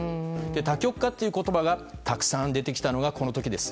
多極化という言葉がたくさん出てきたのがこの時です。